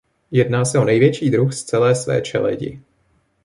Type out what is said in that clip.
Jedná se o největší druh z celé své čeledi.